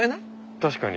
確かに。